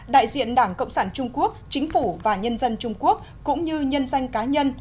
đại diện đảng cộng sản trung quốc chính phủ và nhân dân trung quốc cũng như nhân danh cá nhân